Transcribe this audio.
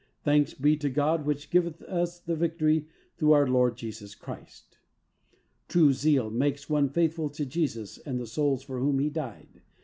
Thanks be to God which giveth us the victory through our Lord Jesus Christ." True zeal makes one faithful to Jesus and the souls for whom He died.